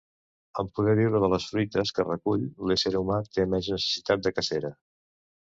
En poder viure de les fruites que recull, l'ésser humà té menys necessitat de cacera.